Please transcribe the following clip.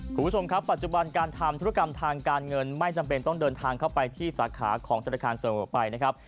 คุณผู้ชมครับปัจจุบันการทำธุรกรรมทางการเงินไม่จำเป็นต้องเดินทางเข้าไปที่สาขาของธนาคารเสมอไปนะครับ